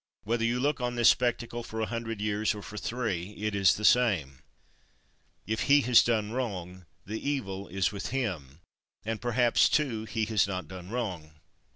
Whether you look on this spectacle for a hundred years or for three it is the same. 38. If he has done wrong, the evil is with him: and perhaps, too, he has not done wrong.